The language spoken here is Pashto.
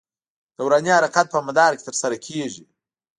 دوراني حرکت په مدار کې تر سره کېږي.